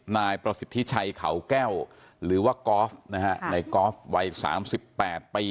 นายประสิทธิชัยเขาแก้วหรือว่ากอล์ฟนะฮะในกอล์ฟวัย๓๘ปี